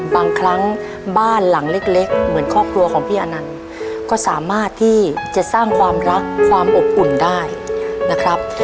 บางครั้งบ้านหลังเล็กเหมือนครอบครัวของพี่อนันต์ก็สามารถที่จะสร้างความรักความอบอุ่นได้นะครับ